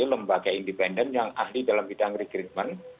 lembaga independen yang ahli dalam bidang rekrutmen